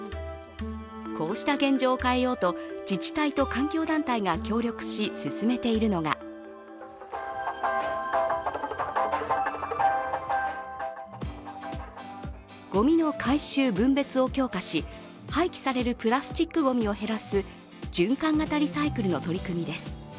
こうした現状を変えようと、自治体と環境団体が協力し、進めているのがごみの回収・分別を強化し、廃棄されるプラスチックごみを減らす循環型リサイクルの取り組みです。